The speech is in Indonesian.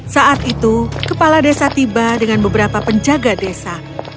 saat itu kepala desa tiba dengan beberapa penjaga desa